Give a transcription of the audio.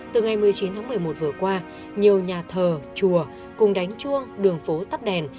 từ ngày một mươi chín tháng một mươi một vừa qua nhiều nhà thờ chùa cùng đánh chuông đường phố tắt đèn